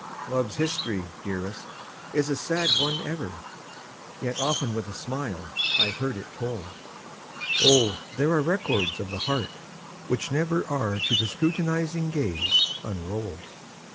Love's history, dearest, is a sad one ever, Yet often with a smile I've heard it told! Oh, there are records of the heart which never Are to the scrutinizing gaze unrolled!